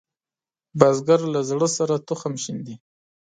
بزګر له زړۀ سره تخم شیندي